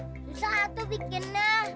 susah tuh bikinnya